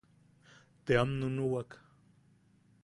Team nuʼuwak.